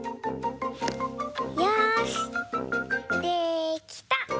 よしできた！